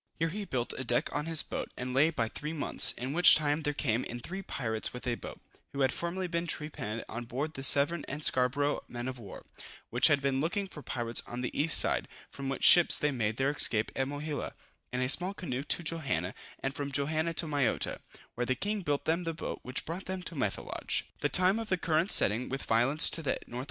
_] Here he built a deck on his boat, and lay by three months, in which time there came in three pirates with a boat, who had formerly been trepanned on board the Severn and Scarborough men of war, which had been looking for pirates on the east side; from which ships they made their escape at Mohila, in a small canoe to Johanna, and from Johanna to Mayotta, where the king built them the boat which brought them to Methelage. The time of the current's setting with violence to the N.W.